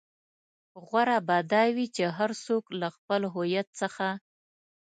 غوره به دا وي چې هر څوک له خپل هويت څخه.